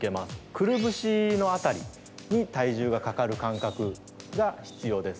くるぶしの辺りに体重がかかる感覚が必要です。